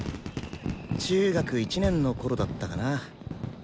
中学１年のころだったかな。